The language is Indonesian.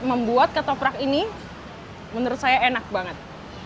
membuat ke toprak ini menurut saya enak banget